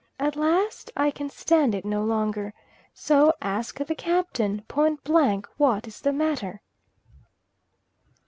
At last I can stand it no longer, so ask the Captain point blank what is the matter.